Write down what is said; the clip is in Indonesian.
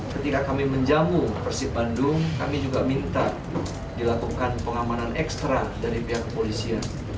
ketika kami menjamu persib bandung kami juga minta dilakukan pengamanan ekstra dari pihak kepolisian